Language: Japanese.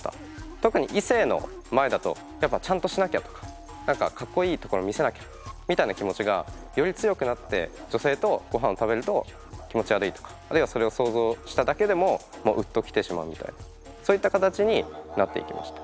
特に異性の前だとやっぱちゃんとしなきゃとか何かかっこいいところ見せなきゃみたいな気持ちがより強くなって女性とごはんを食べると気持ち悪いとかあるいはそれを想像しただけでももうウッときてしまうみたいなそういった形になっていきました。